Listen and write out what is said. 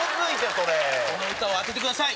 この歌を当ててください。